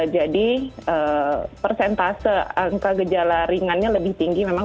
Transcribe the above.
jadi persentase angka gejala ringannya lebih tinggi memang